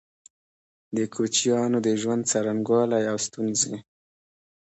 د کوچيانو د ژوند څرنګوالی او ستونزي